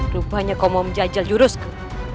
rupanya kau mau menjajal jurusku